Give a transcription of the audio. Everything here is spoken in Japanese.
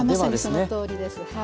まさにそのとおりです。